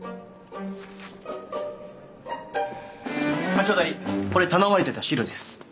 課長代理これ頼まれてた資料です。